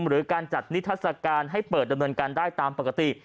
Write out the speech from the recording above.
หรือการจัดนิทัศกาลให้เปิดดำเนินการได้ตามปกติ